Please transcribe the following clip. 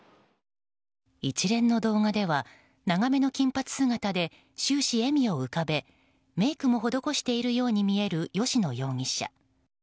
一連の動画では長めの金髪姿で終始、笑みを浮かべメイクも施しているように見える吉野容疑者。